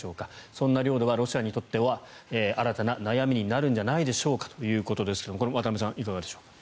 そんな領土はロシアにとっては新たな悩みになるんじゃないでしょうかということですが渡部さん、どうでしょうか。